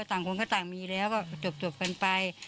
ต่างคนก็ต่างมีแล้วก็จบกันไป